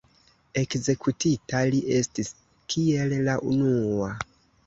Ekzekutita li estis kiel la unua.